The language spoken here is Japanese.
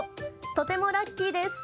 とてもラッキーです。